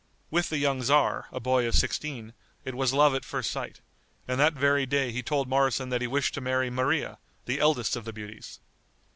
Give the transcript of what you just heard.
With the young tzar, a boy of sixteen, it was love at first sight, and that very day he told Moroson that he wished to marry Maria, the eldest of the beauties.